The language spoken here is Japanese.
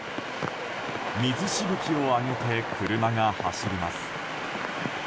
水しぶきを上げて車が走ります。